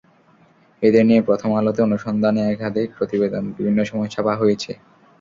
এঁদের নিয়ে প্রথম আলোতে অনুসন্ধানী একাধিক প্রতিবেদন বিভিন্ন সময় ছাপা হয়েছে।